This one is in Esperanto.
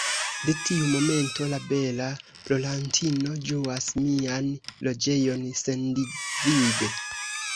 De tiu momento, la bela plorantino ĝuas mian loĝejon sendivide.